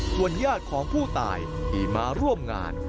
ส่วนญาติของผู้ตายที่มาร่วมงาน